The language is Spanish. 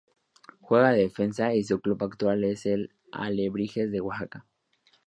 Juega de Defensa y su club actual es el Alebrijes de Oaxaca.